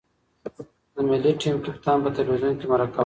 د ملي ټیم کپتان په تلویزیون کې مرکه وکړه.